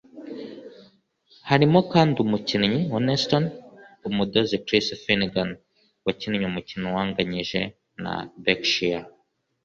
Harimo kandi umukinnyi wa Neston umudozi Chris Finegan wakinnye umukino wanganyije na Berkshire.